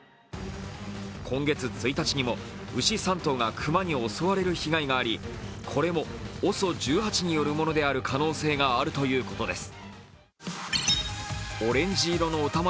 今月１日にも牛３頭が熊に襲われる被害がありこれもＯＳＯ１８によるものである可能性があるということです。